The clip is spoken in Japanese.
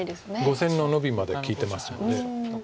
５線のノビまで利いてますので。